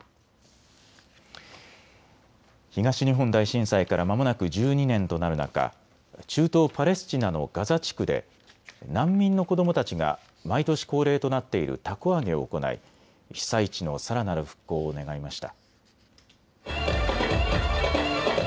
東日本大震災からまもなく１２年となる中、中東パレスチナのガザ地区で難民の子どもたちが毎年恒例となっているたこ揚げを行い被災地のさらなる復興を願いました。